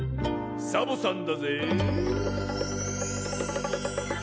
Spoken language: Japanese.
「サボさんだぜぇ」